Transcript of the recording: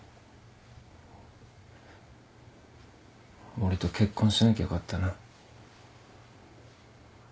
俺と結婚しなきゃよかったな。